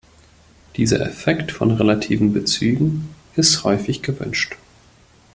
Dieser Effekt von relativen Bezügen ist häufig gewünscht.